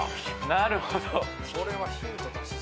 なるほど。